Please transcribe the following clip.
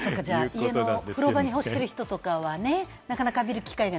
家の風呂場に干してる人とかね、なかなか浴びる機会が